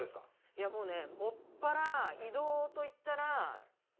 いやもうね